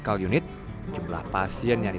kalau sebenarnya bisa tsawik